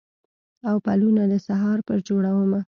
او پلونه د سهار پر جوړمه